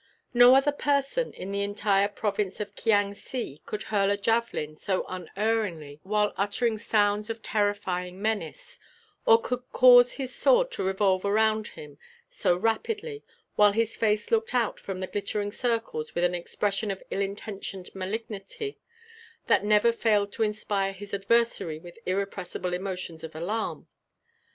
No other person in the entire Province of Kiang si could hurl a javelin so unerringly while uttering sounds of terrifying menace, or could cause his sword to revolve around him so rapidly, while his face looked out from the glittering circles with an expression of ill intentioned malignity that never failed to inspire his adversary with irrepressible emotions of alarm.